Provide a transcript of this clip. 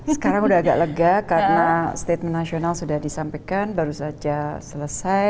sekarang sudah agak lega karena statement nasional sudah disampaikan baru saja selesai